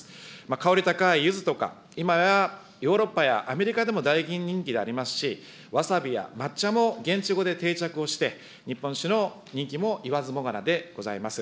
香り高いユズとか、いまやヨーロッパやアメリカでも大人気でありますし、ワサビや抹茶も現地語で定着をして、日本酒の人気も言わずもがなでございます。